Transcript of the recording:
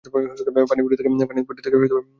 পানিপুরি থেকে পানি চুইয়ে পড়ছে।